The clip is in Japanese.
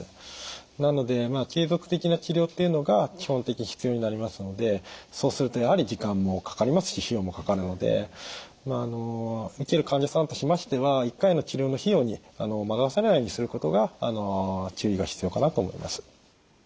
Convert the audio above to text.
なので継続的な治療っていうのが基本的に必要になりますのでそうするとやはり時間もかかりますし費用もかかるので受ける患者さんとしましては１回の治療の費用に惑わされないようにすることが注意が必要かなと思います。